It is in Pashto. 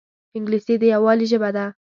انګلیسي د یووالي ژبه ده